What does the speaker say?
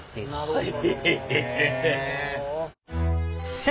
はい。